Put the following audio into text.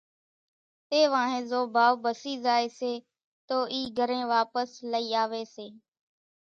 تيوانۿين زو ڀائو ڀسِي زائي سي تو اِي گھرين واپس لئي آوي سي